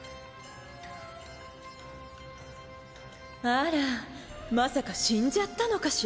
あらまさか死んじゃったのかしら？